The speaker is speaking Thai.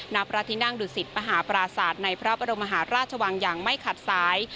ณพระที่นั่งดุสิตมหาปราศาสตร์ในพระบรมหาราชวังอย่างไม่ขัดซ้าย